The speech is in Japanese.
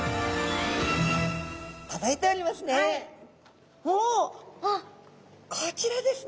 届いておりますね。